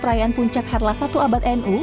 perayaan puncak harlah satu abad nu